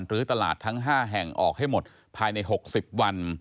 หรือตลาดทั้ง๕แห่งออกให้หมดภายใน๖๐วัน